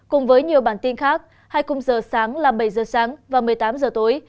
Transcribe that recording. cùng với nhiều bản tin khác hai cùng giờ sáng là bảy giờ sáng và một mươi tám h tối